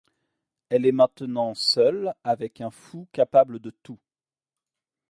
Elle est maintenant seule avec un fou capable de tout.